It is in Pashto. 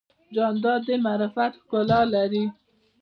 جانداد د معرفت ښکلا لري.